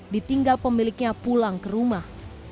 ditinggal pemiliknya pulang ke rumah